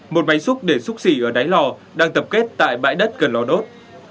một máy xúc để xúc xỉ ở đáy lò đang tập kết tại bãi đất gần lò đốt